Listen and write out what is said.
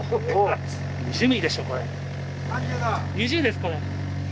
２０ですこれ。